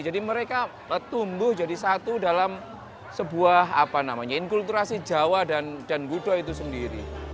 jadi mereka tumbuh jadi satu dalam sebuah inkulturasi jawa dan gudo itu sendiri